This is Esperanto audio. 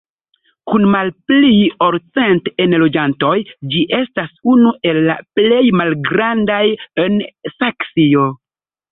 Kun malpli ol cent enloĝantoj ĝi estas unu el la plej malgrandaj en Saksio.